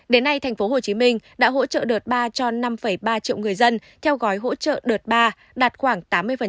đến nay tp hcm đã hỗ trợ đợt ba cho năm ba triệu người dân theo gói hỗ trợ đợt ba đạt khoảng tám mươi